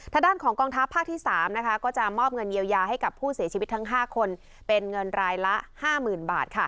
ทางด้านของกองทัพภาคที่๓ก็จะมอบเงินเยียวยาให้กับผู้เสียชีวิตทั้ง๕คนเป็นเงินรายละ๕๐๐๐บาท